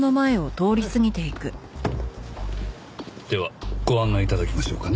ではご案内頂きましょうかね。